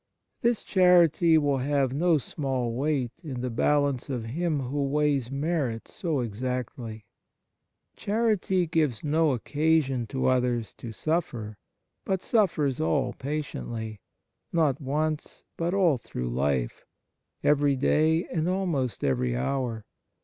This charity will have no small weight in the balance of Him Who weighs merit so exactly. Charity gives no occasion to others to suffer, but suffers all patiently, not once, but all through life, every day and almost every hour.